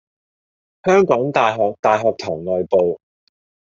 香港大學大學堂外部